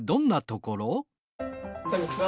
こんにちは。